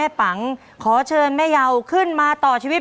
น้องป๋องเลือกเรื่องระยะทางให้พี่เอื้อหนุนขึ้นมาต่อชีวิต